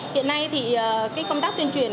hiện nay thì công tác tuyên truyền